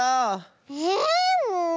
えっもう。